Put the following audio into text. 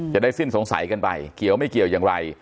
จะได้สิ้นสงสัยกันไปเกี่ยวไม่เกี่ยวอย่างไร